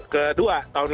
kedua tahun lalu